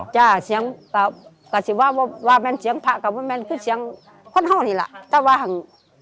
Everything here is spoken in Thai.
จ้าเสียงกะสิว่าว่าแม่นเสียงพระกับว่าแม่นคือเสียงคนห้องนี่แหละแต่ว่าห่าง